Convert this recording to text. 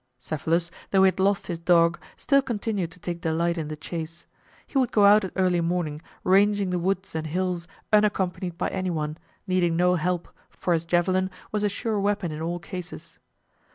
Cephalus, though he had lost his dog, still continued to take delight in the chase. He would go out at early morning, ranging the woods and hills unaccompanied by any one, needing no help, for his javelin was a sure weapon in all cases.